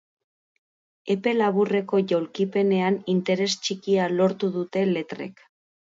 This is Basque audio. Epe laburreko jaulkipenean interes txikia lortu dute letrek.